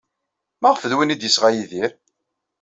Maɣef d win ay d-yesɣa Yidir?